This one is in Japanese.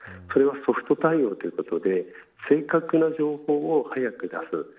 これはソフト対応ということで正確な情報を早く出す。